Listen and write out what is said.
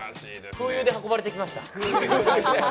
空輸で運ばれてきました。